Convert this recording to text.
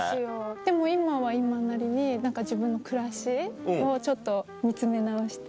でも今は今なりに自分の暮らしをちょっと見つめ直して。